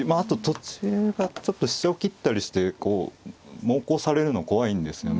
途中がちょっと飛車を切ったりしてこう猛攻されるの怖いんですよね。